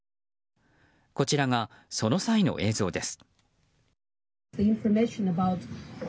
こちらが、その際の映像です。